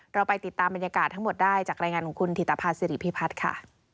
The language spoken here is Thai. เราไปติดตามบรรยากาศทั้งหมดได้จากรายงานของคุณถิตภาษิริพิพัฒน์ค่ะ